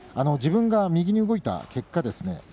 自分が右に動いた結果ですね